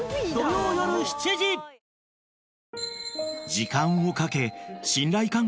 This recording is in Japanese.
［時間をかけ］